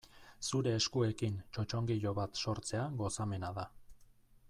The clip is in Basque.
Zure eskuekin txotxongilo bat sortzea gozamena da.